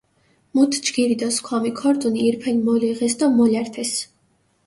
მუთ ჯგირი დო სქვამი ქორდუნი ირფელი მოლეღეს დო მოლართეს.